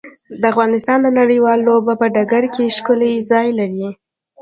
افغانستان د نړیوالو لوبو په ډګر کې ښکلی ځای لري.